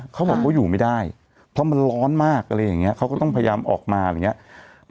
เขาบอกเขาอยู่ไม่ได้เพราะมันร้อนมากอะไรอย่างนี้เขาก็ต้องพยายามออกมาอะไรอย่างนี้